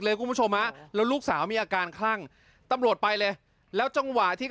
อยากให้อีกยังอยากให้อีกเอาวะเอาอีกวะ